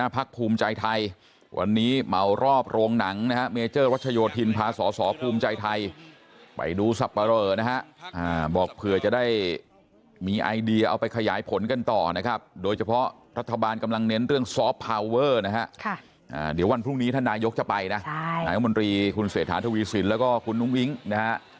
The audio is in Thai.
ภายกรณายกจะไปนะไหงบนตรีคุณเสธาธวีสินแล้วก็คุณนุ้งวิ้งนะฮะ